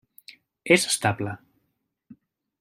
És estable.